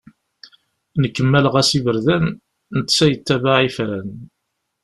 Nekk mmaleɣ-as iberdan, netta yettabaε ifran.